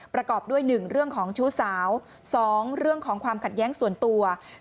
ประกอบด้วย๑เรื่องของชู้สาว๒เรื่องของความขัดแย้งส่วนตัว